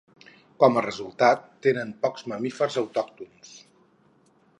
Com a resultat tenen pocs mamífers autòctons.